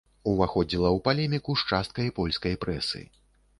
Уваходзіла ў палеміку з часткай польскай прэсы.